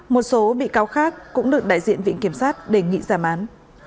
một số bị cáo khác cũng được đại diện viện kiểm sát đề nghị giảm án